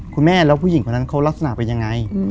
คุณแม่แล้วผู้หญิงคนนั้นเขาลักษณะเป็นยังไง